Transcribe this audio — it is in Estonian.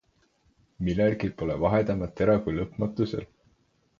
Millelgi pole vahedamat tera, kui lõpmatusel.